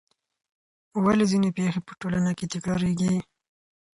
ولې ځینې پېښې په ټولنه کې تکراریږي؟